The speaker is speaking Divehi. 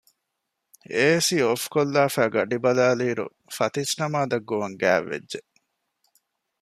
އޭސީ އޮފްކޮށްލާފައި ގަޑިބަލައިލިއިރު ފަތިސްނަމާދަށް ގޮވަން ގާތްވެއްޖެ